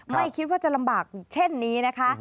ไม่คิดว่าจะลำบากเช่นนี้นะคะ